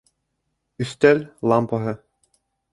Өҫтәл лампаһы